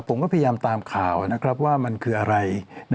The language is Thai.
ผมก็พยายามตามข่าวนะครับว่ามันคืออะไร